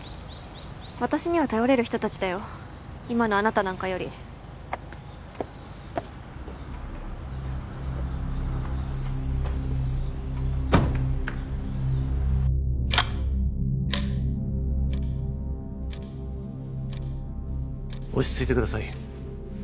私には頼れる人達だよ今のあなたなんかより落ち着いてください